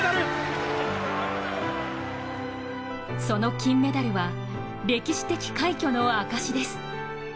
その金メダルは歴史的快挙の証しです。